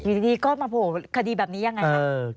อยู่ดีก็มาโผล่คดีแบบนี้ยังไงคะ